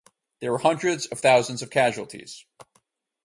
There were hundreds of thousands of casualties.